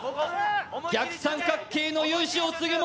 逆三角形の雄姿を継ぐ者